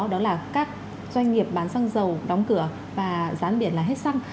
đó là các doanh nghiệp bán xăng dầu đóng cửa và gián biển là hết xăng